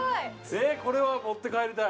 これは持って帰りたい！